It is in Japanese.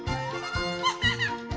ハハハ！